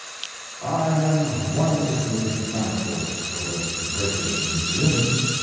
I am wonderfully thankful for the British Museum.